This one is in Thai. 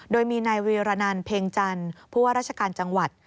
โดยมีนายเวียรนันเพ็งจันทร์ผู้ว่าราชการจังหวัด